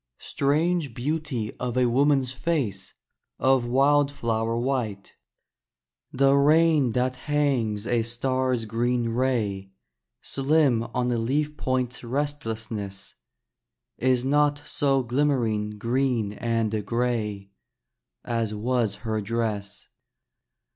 Strange beauty of a woman's face Of wildflower white! The rain that hangs a star's green ray Slim on a leaf point's restlessness, Is not so glimmering green and gray As was her dress.